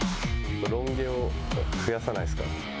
ロン毛を増やそうですか。